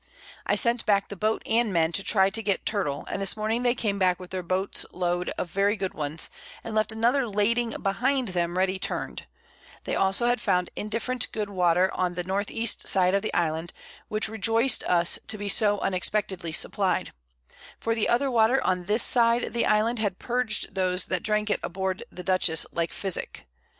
I sent back the Boat and Men to try to get Turtle; and this Morning they came back with their Boats Load of very good ones, and left another lading behind them ready turn'd; they also had found indifferent good Water on the N. E. side of the Island, which rejoiced us to be so unexpectedly supplied; for the other Water on this side the Island, [Sidenote: At Anchor at St. Marias Islands.] had purg'd those that drank it aboard the Dutchess like Physick.